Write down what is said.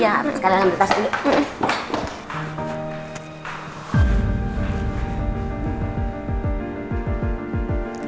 ya sekarang ambil tas dulu